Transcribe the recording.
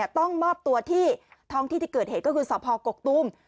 ต้องมอบตัวที่ท้องที่ที่เกิดเหตุก็คือสพกกตุ้ม